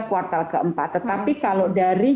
kuartal keempat tetapi kalau dari